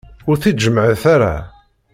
Ur t-id-jemmɛet ara.